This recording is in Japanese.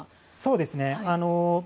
そうですね。